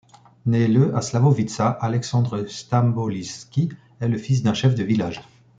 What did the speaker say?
Né le à Slavovitsa, Alexandre Stambolijski est le fils d’un chef de village.